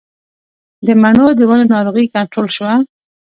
د مڼو د ونو ناروغي کنټرول شوه؟